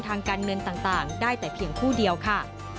ทางการเงินต่างได้แต่เพียงผู้เดียวค่ะ